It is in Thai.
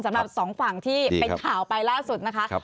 สำหรับสองฝั่งที่เป็นข่าวไปล่าสุดนะคะ